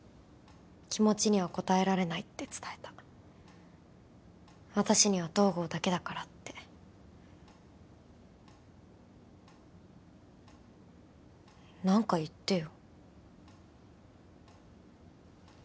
気持ちには応えられないって伝えた私には東郷だけだからって何か言ってよ